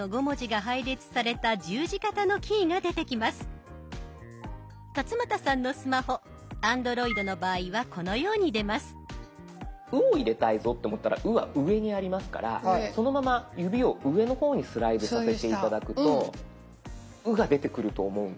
「う」を入れたいぞって思ったら「う」は上にありますからそのまま指を上の方にスライドさせて頂くと「う」が出てくると思うんです。